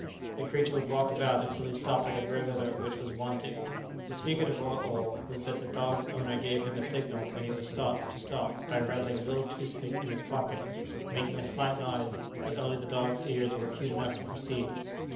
The creature would walk about until he stopped at the very letter which was wanted. The secret of it all was that the dog's owner gave him a signal when he was to stop by rattling a little tooth pick in his pocket, making a slight noise that only the dog's ears were acute enough to perceive."